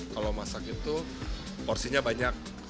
kalau masak itu porsinya banyak